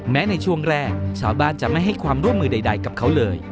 แม้ในช่วงแรกชาวบ้านจะไม่ให้ความร่วมมือใดกับเขาเลย